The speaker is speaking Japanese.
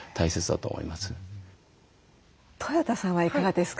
とよたさんはいかがですか？